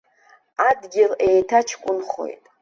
Адгьыл еиҭаҷкәынхоит.